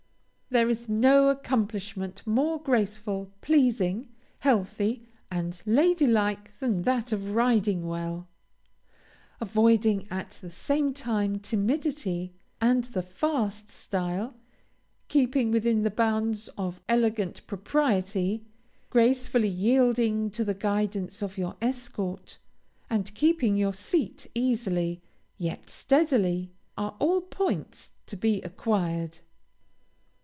There is no accomplishment more graceful, pleasing, healthy, and lady like, than that of riding well. Avoiding, at the same time, timidity and the "fast" style, keeping within the bounds of elegant propriety, gracefully yielding to the guidance of your escort, and keeping your seat easily, yet steadily, are all points to be acquired.